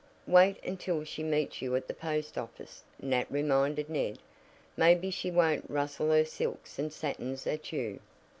"Wait until she meets you at the post office," Nat reminded Ned. "Maybe she won't rustle her silks and satins at you."